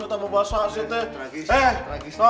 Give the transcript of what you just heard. tidak mau bahas asetnya